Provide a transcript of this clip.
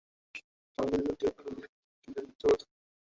সমগ্র বিভাগটি উলুবেড়িয়া লোকসভা কেন্দ্রের অন্তর্গত।